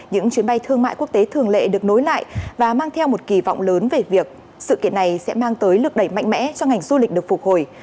những chuyến bay thương mại quốc tế thường lệ được nối lại và mang theo một kỳ vọng lớn về việc sự kiện này sẽ mang tới lực đẩy mạnh mẽ cho ngành du lịch được phục hồi